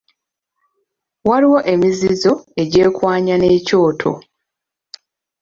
Waliwo emizizo egyekwanya n'ekyoto.